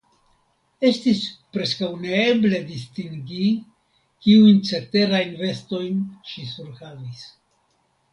Estis preskaŭ neeble distingi, kiujn ceterajn vestojn ŝi surhavis.